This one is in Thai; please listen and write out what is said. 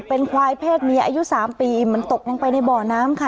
เป็นควายเพศเมียอายุ๓ปีมันตกลงไปในบ่อน้ำค่ะ